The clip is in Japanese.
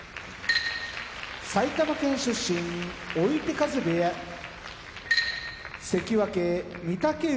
埼玉県出身追手風部屋関脇・御嶽海